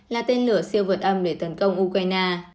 là tên lửa siêu vượt âm để tấn công ukraine